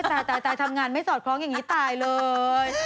โอ้ยตายตายตายทำงานไม่สอดคล้องอย่างนี้ตายเลย